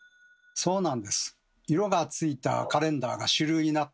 そうなんです。